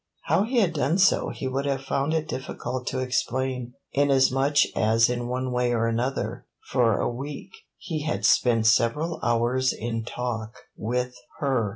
How he had done so he would have found it difficult to explain, inasmuch as in one way or another, for a week, he had spent several hours in talk with her.